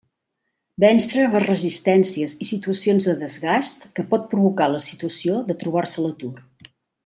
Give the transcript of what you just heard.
Vèncer les resistències i situacions de desgast que pot provocar la situació de trobar-se a l'atur.